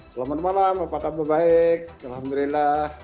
selamat malam apa kabar baik alhamdulillah